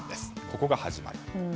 ここが始まり。